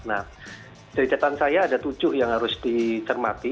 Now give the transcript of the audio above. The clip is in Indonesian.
nah dari catatan saya ada tujuh yang harus dicermati